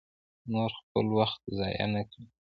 نور خپل وخت ضایع نه کړي.